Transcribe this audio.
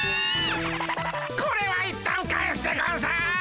これはいったん返すでゴンス。